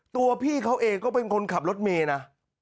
ตัวพี่เขาเองก็เป็นคนขับรถเมย์นะ